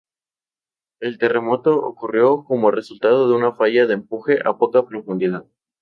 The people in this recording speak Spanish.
El terremoto ocurrió como resultado de una falla de empuje a poca profundidad.